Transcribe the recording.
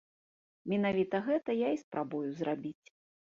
Менавіта гэта я і спрабую зрабіць.